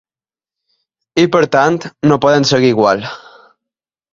I per tant no podem seguir igual.